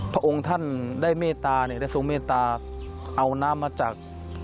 พระองค์ท่านได้เมตตาเนี่ยได้ทรงเมตตาเอาน้ำมาจาก